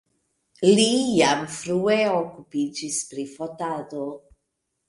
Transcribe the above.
Li jam frue okupiĝis pri fotado.